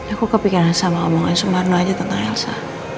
aku kepikiran sama ngomongin sumbarno aja tentang elsa